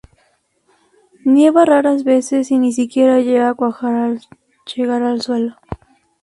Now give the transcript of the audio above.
Nieva raras veces, y ni siquiera llega a cuajar al llegar al suelo.